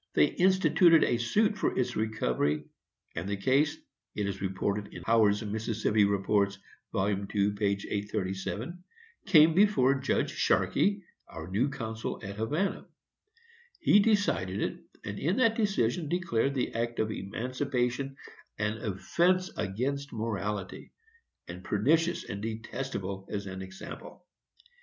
They instituted a suit for its recovery, and the case (it is reported in Howard's Mississippi Reports, vol. II., p. 837) came before Judge Sharkey, our new consul at Havana. He decided it, and in that decision declared the act of emancipation an offence against morality, and pernicious and detestable as an example.